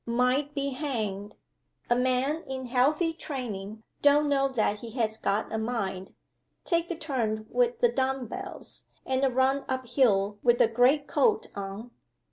Mind he hanged! A man in healthy training don't know that he has got a mind. Take a turn with the dumb bells, and a run up hill with a great coat on.